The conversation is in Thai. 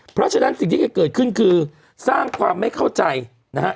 เพราะฉะนั้นสิ่งที่จะเกิดขึ้นคือสร้างความไม่เข้าใจนะฮะ